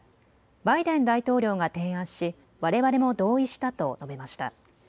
バイデン大統領が提案しわれわれも同意したと述べました。